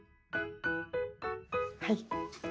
はい。